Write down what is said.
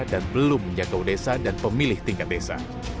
dan belum menjaga desa dan pemilih tingkat desa